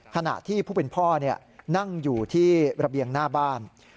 ขณะที่ผู้เป็นพ่อนั่งอยู่ที่ระเบียงหน้าบ้าน